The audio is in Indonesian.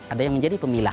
ada yang menjadi pemilah